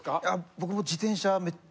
僕も。